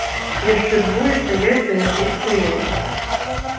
Яшчэ двое стаяць за яго спіной.